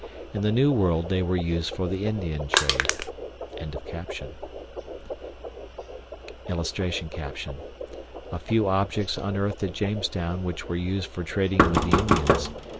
IN THE NEW WORLD THEY WERE USED FOR THE INDIAN TRADE.] [Illustration: A FEW OBJECTS UNEARTHED AT JAMESTOWN WHICH WERE USED FOR TRADING WITH THE INDIANS.